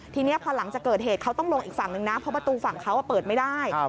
ทีนี้พอหลังจากเกิดเหตุเขาต้องลงอีกฝั่งนึงนะเพราะประตูฝั่งเขาเปิดไม่ได้